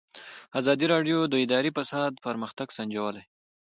ازادي راډیو د اداري فساد پرمختګ سنجولی.